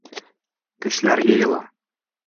Кешеләр йыйыла.